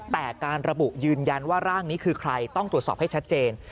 แต่การระบุยืนยันว่าร่างนี้คือใครต้องตรวจสอบให้ชัดเจน